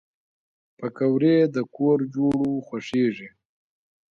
پکورې د کور جوړو خوښېږي